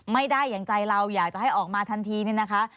ไม่ได้อย่างใจเราอยากจะให้ออกมาทันทีนี่นะคะ